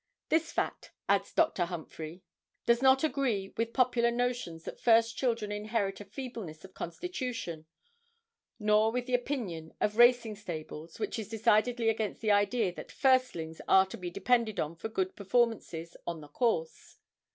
This fact, adds Dr. Humphry, does not agree with popular notions that first children inherit a feebleness of constitution, nor with the opinion of racing stables, which is decidedly against the idea that 'firstlings' are to be depended on for good performances on the course.